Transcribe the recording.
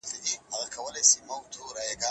حکومت په سیمه کي د بي ثباتۍ غوښتونکی نه دی.